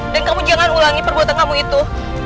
dan kamu jangan ulangi perbuatan kamu itu